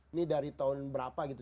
ini dari tahun berapa gitu